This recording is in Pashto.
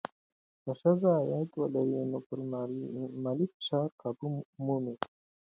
که ښځه عاید ولري، نو پر مالي فشار قابو مومي.